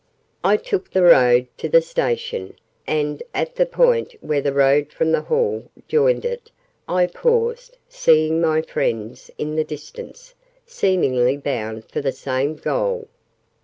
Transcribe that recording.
I took the road to the Station, and, at the point where the road from the 'Hall' joined it, I paused, seeing my friends in the distance, seemingly bound for the same goal.